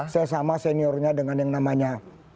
saya sama seniornya dengan yang namanya